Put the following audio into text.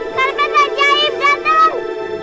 kalimantan jaib datang